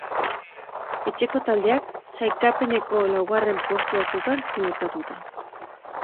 Etxeko taldeak sailkapeneko laugarren postua zeukan ziurtatuta.